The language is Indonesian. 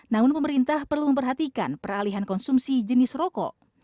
namun pemerintah perlu memperhatikan peralihan konsumsi jenis rokok